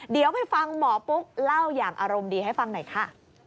เดี๋ยวไปฟังหมอปุ๊กเล่าอย่างอารมณ์ดีให้ฟังหน่อยค่ะ